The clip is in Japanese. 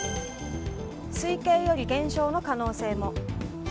推計より減少の可能性も。